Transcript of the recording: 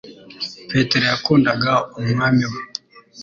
Petero yakundaga Umwami we,